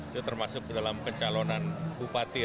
itu termasuk dalam kecalonan bupati